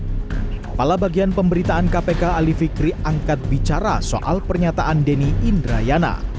kepala bagian pemberitaan kpk ali fikri angkat bicara soal pernyataan denny indrayana